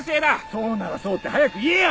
そうならそうって早く言えよ！